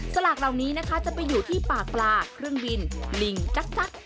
สลากเหล่านี้นะคะจะไปอยู่ที่ปากปลาเครื่องบินลิงจักร